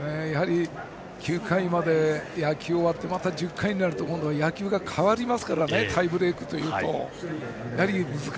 ９回まで野球終わってまた１０回になると今度、野球が変わりますからタイブレークというと。